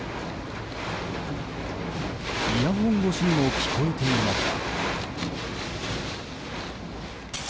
イヤホン越しにも聞こえていました。